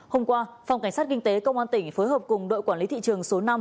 hôm qua phòng cảnh sát kinh tế công an tỉnh phối hợp cùng đội quản lý thị trường số năm